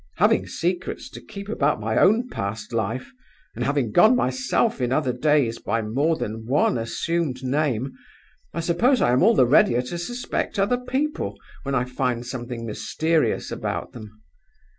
Having secrets to keep about my own past life, and having gone myself in other days by more than one assumed name, I suppose I am all the readier to suspect other people when I find something mysterious about them.